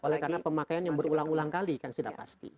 oleh karena pemakaian yang berulang ulang kali kan sudah pasti